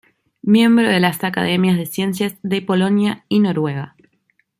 Miembro de las Academias de Ciencias de Polonia y Noruega.